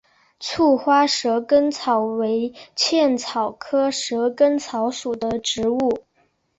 簇花蛇根草为茜草科蛇根草属的植物。